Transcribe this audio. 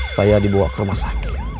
saya dibawa ke rumah sakit